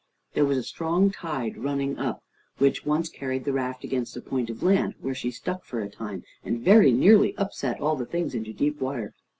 There was a strong tide running up, which once carried the raft against a point of land, where she stuck for a time, and very nearly upset all the things into deep water.